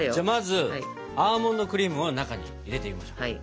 まずアーモンドクリームを中に入れていきましょう。